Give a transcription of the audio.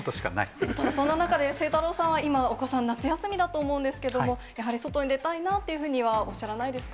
そんな中で晴太郎さんは今、お子さん、夏休みだと思うんですけども、やはり外に出たいなっていうふうにはおっしゃらないですか。